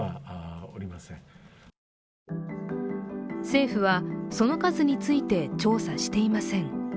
政府は、その数について調査していません。